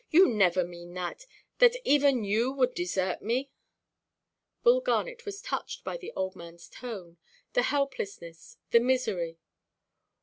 You never mean that—that even you would desert me?" Bull Garnet was touched by the old manʼs tone—the helplessness, the misery.